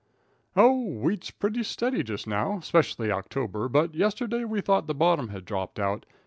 "Oh, wheat's pretty steady just now, 'specially October, but yesterday we thought the bottom had dropped out.